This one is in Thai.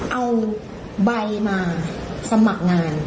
เอาใบมาสมัครงาน